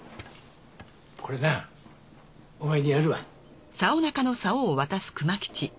これなお前にやるわ。